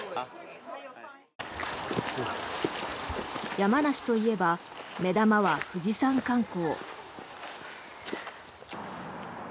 山梨といえば目玉は富士山観光。